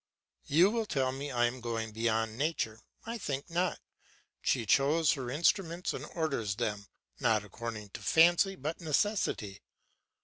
You will tell me I am going beyond nature. I think not. She chooses her instruments and orders them, not according to fancy, but necessity.